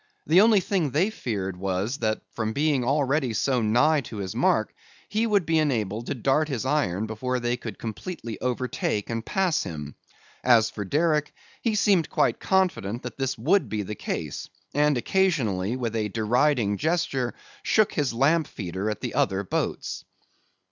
The only thing they feared, was, that from being already so nigh to his mark, he would be enabled to dart his iron before they could completely overtake and pass him. As for Derick, he seemed quite confident that this would be the case, and occasionally with a deriding gesture shook his lamp feeder at the other boats.